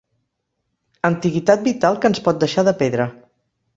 Antiguitat vital que ens pot deixar de pedra.